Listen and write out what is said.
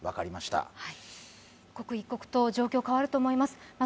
刻一刻と状況が変わると思います。